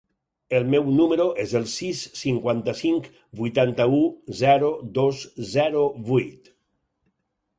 El meu número es el sis, cinquanta-cinc, vuitanta-u, zero, dos, zero, vuit.